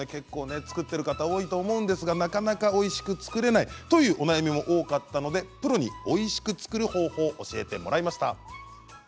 作っている方多いと思うんですがなかなかおいしく作れないというお悩みも多かったのでプロにおいしく作る方法を教えてもらいました。